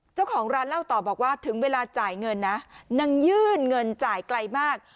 เจ้าของร้านเล่าต่อบอกว่าถึงเวลาจ่ายเงินนะนางยื่นเงินจ่ายไกลมาก